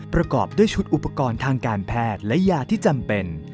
ประกอบด้วยชุดอุปกรณ์ทางการแพทย์และยาที่จำเป็น